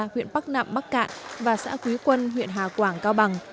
huyện bắc nạm bắc cạn và xã quý quân huyện hà quảng cao bằng